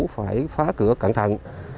phải phá cửa cẩn thận